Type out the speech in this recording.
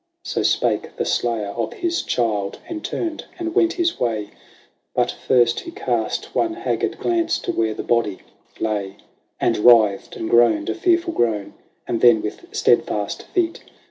" So spake the slayer of his child, and turned, and went his way; But first he cast one haggard glance to where the body lay. And writhed, and groaned a fearful groan, and then, with steadfast feet.